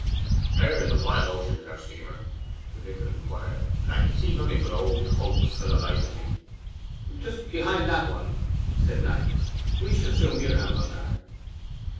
'Where in the wide ocean is our steamer?' the vicar inquired. 'I can see nothing but old hulks, for the life of me.' 'Just behind that one,' said Knight; 'we shall soon be round under her.